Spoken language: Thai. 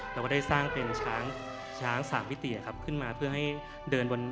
เราก็ได้สร้างเป็นช้างช้าง๓มิติครับขึ้นมาเพื่อให้เดินบน